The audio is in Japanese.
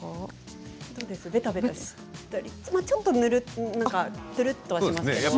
ちょっとぬるっとはしますけれども。